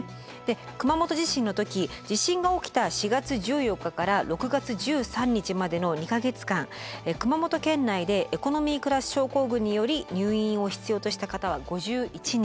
熊本地震の時地震が起きた４月１４日から６月１３日までの２か月間熊本県内でエコノミークラス症候群により入院を必要とした方は５１人。